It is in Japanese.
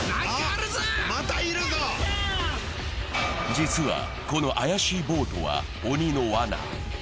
実はこの怪しいボートは鬼のわな。